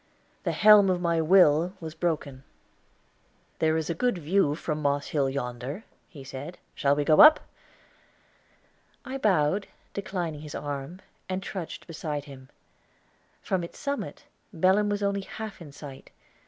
The helm of my will was broken. "There is a good view from Moss Hill yonder," he said. "Shall we go up?" I bowed, declining his arm, and trudged beside him. From its summit Belem was only half in sight.